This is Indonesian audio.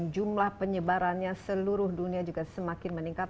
jumlah penyebarannya seluruh dunia juga semakin meningkat